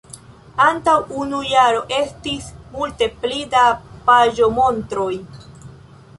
antaŭ unu jaro estis multe pli da paĝomontroj.